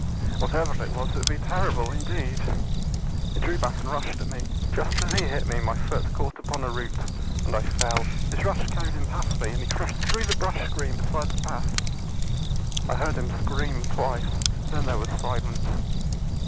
Whatever it was, it would be terrible, indeed. He drew back and rushed at me. Just as he hit me, my foot caught upon a root, and I fell. His rush carried him past me, and he crashed through the brush screen beside the path. I heard him scream twice, then there was silence.